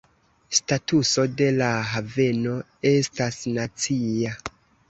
Statuso de la haveno estas "nacia".